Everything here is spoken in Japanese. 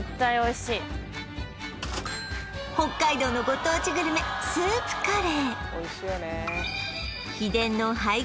北海道のご当地グルメスープカレー秘伝の配合